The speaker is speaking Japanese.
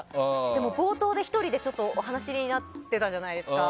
でも冒頭で１人でお話になってたじゃないですか。